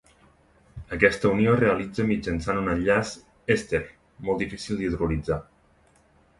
Aquesta unió es realitza mitjançant un enllaç èster, molt difícil d'hidrolitzar.